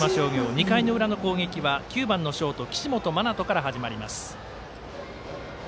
２回の裏の攻撃は９番のショート岸本愛翔から始まります。